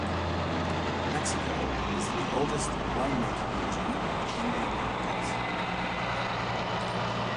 Mexico is the oldest wine-making region in the Americas.